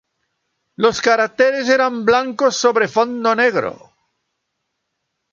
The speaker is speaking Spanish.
Los caracteres eran blancos sobre fondo negro.